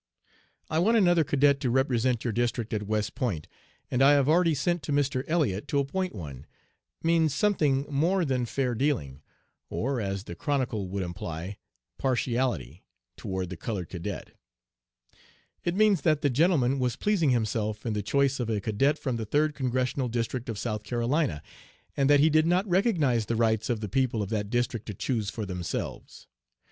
"'I want another cadet to represent your district at West Point, and I have already sent to Mr. Elliott to appoint one,' means something more than fair dealing (or, as the Chronicle would imply, partiality) toward the colored cadet. It means that the gentleman was pleasing himself in the choice of a cadet from the Third Congressional District of South Carolina, and that he did not recognize the rights of the people of that district to choose for themselves.